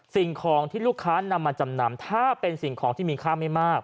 สิ่งของที่ลูกค้านำมาจำนำถ้าเป็นสิ่งของที่มีค่าไม่มาก